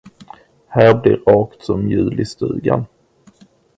Här blir rakt som jul i stugan.